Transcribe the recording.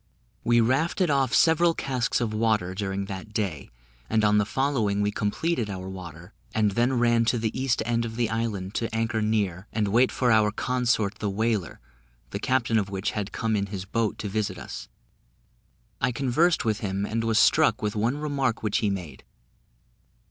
We rafted off several casks of water during that day, and on the following we completed our water, and then ran to the east end of the island to anchor near, and wait for our consort the whaler, the captain of which had come in his boat to visit us: I conversed with him, and was struck with one remark which he made.